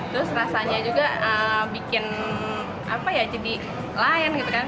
terus rasanya juga bikin apa ya jadi lain gitu kan